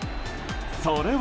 それは。